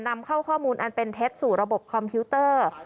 นำเข้าข้อมูลอันเป็นเท็จสู่ระบบคอมพิวเตอร์